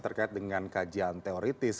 terkait dengan kajian teoritis